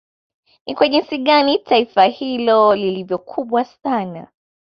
Ni kwa jinsi gani Taifa hili lilivyo kubwa sana